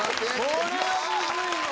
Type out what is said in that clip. これはむずいわ。